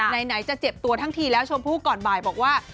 ไหนจะเจ็บตัวทั้งทีแล้วชมพู่ก่อนบ่ายบอกว่า